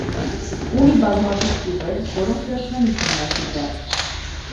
Ունի բազմաթիվ ճյուղեր, որոնք դեռ չեն ուսումնասիրված։